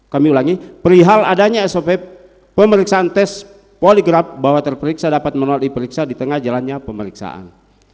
kami ulangi perihal adanya sop pemeriksaan tes poligraf bahwa terperiksa dapat menolak diperiksa di tengah jalannya pemeriksaan